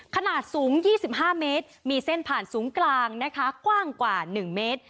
ขนาดสูงยี่สิบห้าเมตรมีเส้นผ่านสูงกลางนะคะกว้างกว่าหนึ่งเมตร